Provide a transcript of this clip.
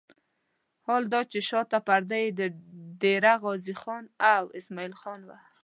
حال دا چې شاته پرده یې د ډېره غازي خان او اسماعیل خان وه.